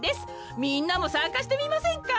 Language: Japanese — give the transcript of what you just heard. みんなもさんかしてみませんか？